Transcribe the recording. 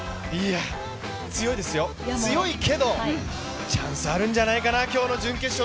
強いですよ、強いけどチャンスあるんじゃないかな。